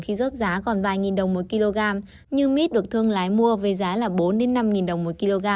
khi rớt giá còn vài nghìn đồng mỗi kg nhưng mít được thương lái mua với giá là bốn năm đồng mỗi kg